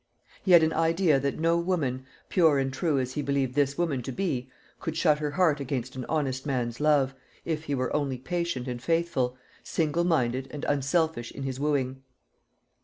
He had an idea that no woman, pure and true as he believed this woman to be, could shut her heart against an honest man's love, if he were only patient and faithful, single minded and unselfish in his wooing.